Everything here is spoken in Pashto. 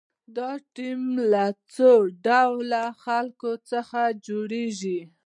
دا ټیم له څو ډوله خلکو څخه جوړیږي.